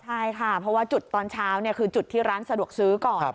ใช่ค่ะเพราะว่าจุดตอนเช้าคือจุดที่ร้านสะดวกซื้อก่อน